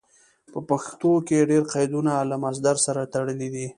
په پښتو کې ډېر قیدونه له مصدر سره تړلي دي.